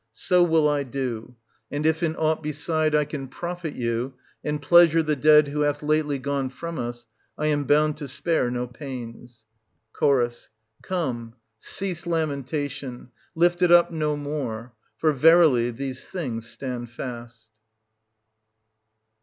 So will I do; and if in aught beside I can profit you, and pleasure the dead who hath lately gone from us, I am bound to spare no pains. Ch. Come, cease lamentation, lift it up no more; for verily these things stand fast.